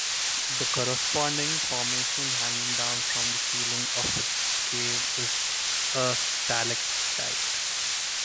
The corresponding formation hanging down from the ceiling of a cave is a stalactite.